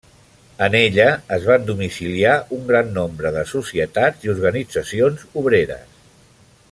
En ella es van domiciliar un gran nombre de societats i organitzacions obreres.